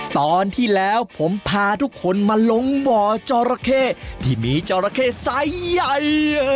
ตอนที่แล้วผมพาทุกคนมาลงบ่อจอระเข้ที่มีจราเข้สายใหญ่